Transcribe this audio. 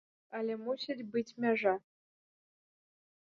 Але мусіць быць мяжа.